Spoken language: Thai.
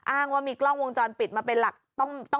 อ้างว่ามีกล้องวงจรปิดมาเป็นหลัก